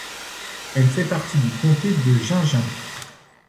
Elle fait partie du Comté de Gingin.